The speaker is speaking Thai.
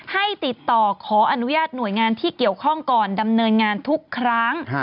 ให้ติดต่อขออนุญาตหน่วยงานที่เกี่ยวข้องก่อนดำเนินงานทุกครั้ง